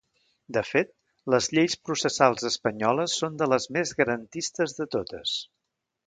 De fet, les lleis processals espanyoles són de les més garantistes de totes.